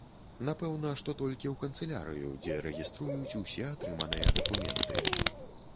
Напэўна, што толькі ў канцылярыю, дзе рэгіструюць усе атрыманыя дакументы.